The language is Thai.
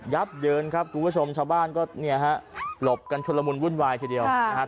ับเยินครับคุณผู้ชมชาวบ้านก็เนี่ยฮะหลบกันชุดละมุนวุ่นวายทีเดียวนะครับ